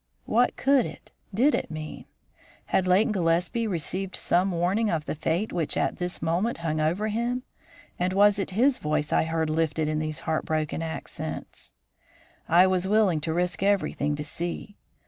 What could it did it, mean? Had Leighton Gillespie received some warning of the fate which at this moment hung over him, and was it his voice I heard lifted in these heartbroken accents? I was willing to risk everything to see.